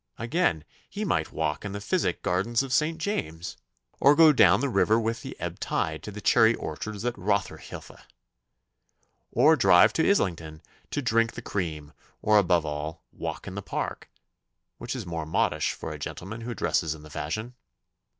Again, he might walk in the physic gardens of St. James's, or go down the river with the ebb tide to the cherry orchards at Rotherhithe, or drive to Islington to drink the cream, or, above all, walk in the Park, which is most modish for a gentleman who dresses in the fashion.